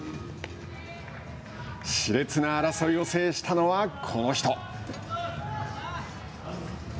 しれつな争いを制したのは、この人。